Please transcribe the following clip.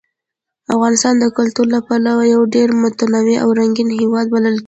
افغانستان د کلتور له پلوه یو ډېر متنوع او رنګین هېواد بلل کېږي.